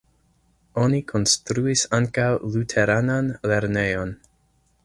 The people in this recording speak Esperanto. Oni konstruis ankaŭ luteranan lernejon.